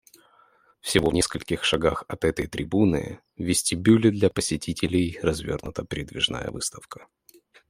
Всего в нескольких шагах от этой трибуны — в вестибюле для посетителей — развернута передвижная выставка.